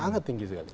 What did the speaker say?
sangat tinggi sekali